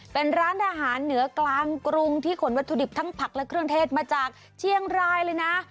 เป็นร้านอาหารเหนือกลางกรุงที่ขนวัตถุดิบทั้งผักและเครื่องเทศมาจากเชียงรายเลยนะ